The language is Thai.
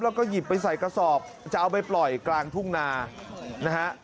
แล้วก็หยิบไปใส่กระสอบจะเอาไปปล่อยกลางทุ่งนานะฮะ